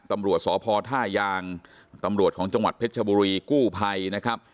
ตำรวจสพท่ายางตำรวจของจังหวัดเพชรชบุรีกู้ภัยนะครับ